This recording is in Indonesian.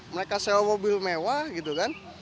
mereka sewa mobil mewah gitu kan